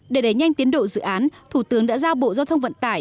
để đẩy nhanh tiến độ dự án thủ tướng đã giao bộ giao thông vận tải